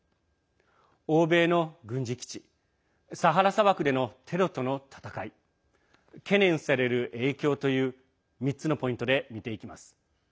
欧米の軍事基地サハラ砂漠でのテロとの戦い懸念される影響という３つのポイントで見ていきます。